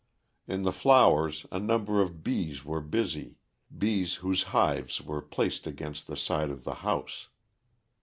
In the flowers a number of bees were busy, bees whose hives were placed against the side of the house.